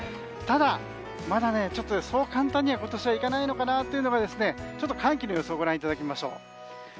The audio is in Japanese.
ただ、まだそう簡単には今年はいかないのかなというのが寒気の予想をご覧いただきましょう。